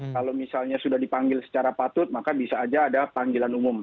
kalau misalnya sudah dipanggil secara patut maka bisa saja ada panggilan umum